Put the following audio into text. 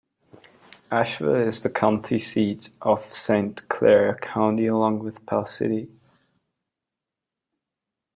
Ashville is the county seat of Saint Clair County along with Pell City.